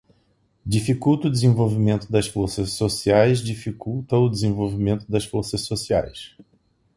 dificulta o desenvolvimento das forças sociaisdificulta o desenvolvimento das forças sociais